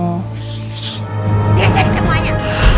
shh bisa dicemanya